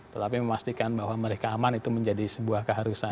tetapi memastikan bahwa mereka aman itu menjadi sebuah keharusan